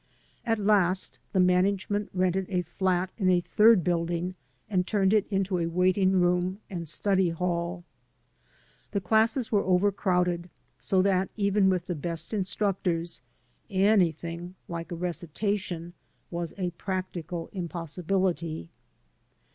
At last the manage ment rented a flat in a third building and turned it into a waiting room and study hall. The classes were overcrowded, so that, even with the best instructors, anything like a recitation was a practical impossibility.